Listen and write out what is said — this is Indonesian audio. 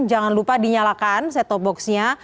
jangan lupa dinyalakan set top boxnya